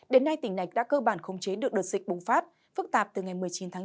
đến nay tỉnh này đã cơ bản khống chế được đợt dịch bùng phát phức tạp từ ngày một mươi chín tháng bốn